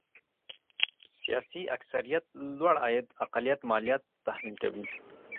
سیاسي اکثريت لوړ عاید اقلیت ماليات تحمیل کوي.